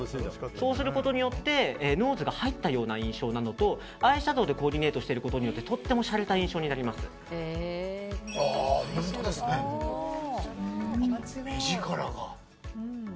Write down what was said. そうすることによってノーズが入ったような印象になるのとアイシャドーでコーディネートしてることによって本当ですね、目力が。